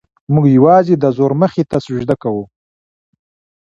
موږ یوازې د زور مخې ته سجده کوو.